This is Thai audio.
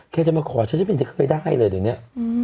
แค่จะมาคอฉันไม่เคยได้เลยเดี๋ยวนี้